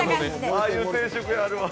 ああいう定食あるわ。